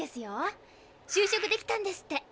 就職できたんですって。